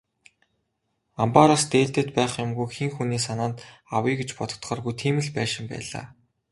Амбаараас дээрдээд байх юмгүй, хэн хүний санаанд авъя гэж бодогдохооргүй тийм л байшин байлаа.